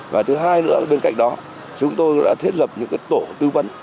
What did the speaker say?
và thứ hai nữa bên cạnh đó chúng tôi đã thiết lập những tổ tư vấn